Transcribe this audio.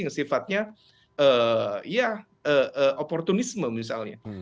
yang sifatnya ya oportunisme misalnya